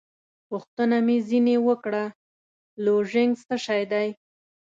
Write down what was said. پوښتنه مې ځینې وکړه: لوژینګ څه شی دی؟